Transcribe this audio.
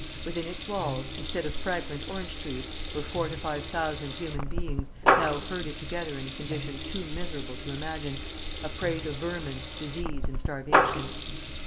Within its walls, instead of fragrant orange trees, were four to five thousand human beings, now herded together in a condition too miserable to imagine, a prey to vermin, disease, and starvation.